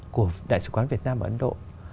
của đại sứ quán việt nam ở ấn độ